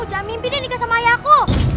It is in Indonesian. jangan mimpi dia nikah sama ayahku